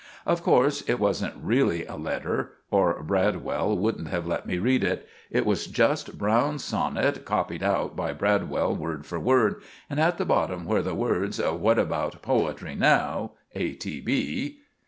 Of corse, it wasn't really a letter, or Bradwell wouldn't have let me read it. It was just Browne's sonnit coppied out by Bradwell word for word; and at the bottom where the words, "What about poetry now? A. T. B."